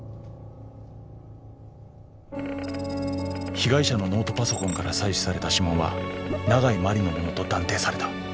［被害者のノートパソコンから採取された指紋は長井真理のものと断定された］